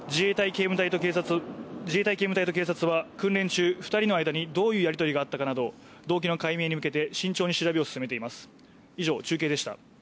自衛隊警務隊と警察は、訓練中２人の間にどういうやり取りがあったかなど動機の解明に向けて慎重に調べを進めています。